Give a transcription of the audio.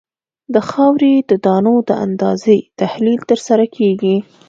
د خاورې د دانو د اندازې تحلیل ترسره کیږي